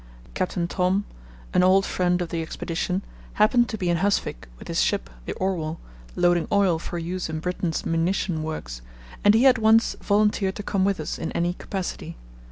Captain Thom, an old friend of the Expedition, happened to be in Husvik with his ship, the Orwell, loading oil for use in Britain's munition works, and he at once volunteered to come with us in any capacity.